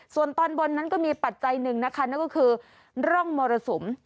ส่วนตอนบนนั้นก็มีปัจจัยหนึ่งนะคะนั่นก็คือร่องมรสุม